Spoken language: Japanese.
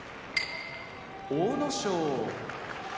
阿武咲